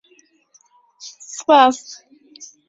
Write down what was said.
سوپاس!